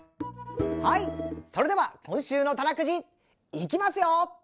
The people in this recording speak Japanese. はいそれでは今週の「たなくじ」いきますよ！